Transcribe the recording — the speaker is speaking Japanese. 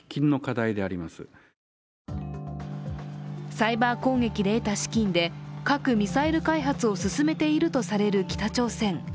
サイバー攻撃で得た資金で核・ミサイル開発を進めているとされる北朝鮮。